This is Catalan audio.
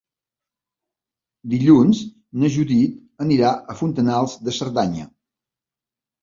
Dilluns na Judit anirà a Fontanals de Cerdanya.